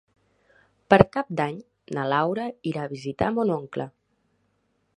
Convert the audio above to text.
Per Cap d'Any na Laura irà a visitar mon oncle.